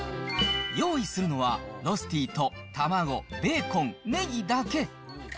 用意するのは、ロスティと卵、ベーコン、ねぎだけ。